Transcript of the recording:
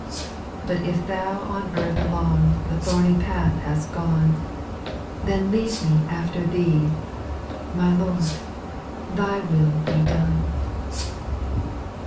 But Thou on earth along The thorny path hast gone ; Then lead me after Thee, — My Lord, Thy will be done